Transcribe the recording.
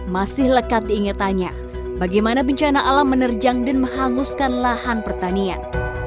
masih lekat diingetannya bagaimana bencana alam menerjang dan menghanguskan lahan pertanian